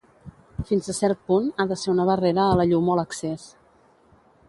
Fins a cert punt, ha de ser una barrera a la llum o l'accés.